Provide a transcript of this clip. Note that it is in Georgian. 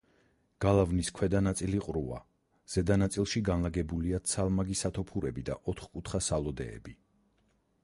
გალავნის ქვედა ნაწილი ყრუა, ზედა ნაწილში განლაგებულია ცალმაგი სათოფურები და ოთხკუთხა სალოდეები.